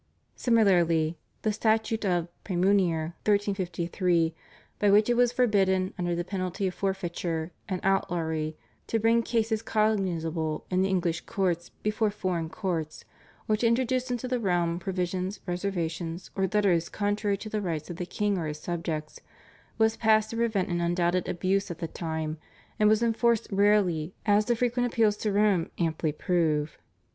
Similarly the Statute of Praemunire (1353) by which it was forbidden under the penalty of forfeiture and outlawry to bring cases cognizable in the English courts before foreign courts, or to introduce into the realm provisions, reservations, or letters contrary to the rights of the king or his subjects, was passed to prevent an undoubted abuse at the time, and was enforced rarely as the frequent appeals to Rome amply prove.